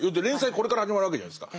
これから始まるわけじゃないですか。